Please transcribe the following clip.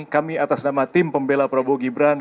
kami atas nama tim pembela prabowo gibran